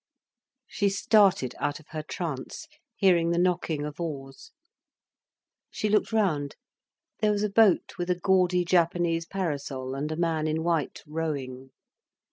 She started out of her trance, hearing the knocking of oars. She looked round. There was a boat with a gaudy Japanese parasol, and a man in white, rowing.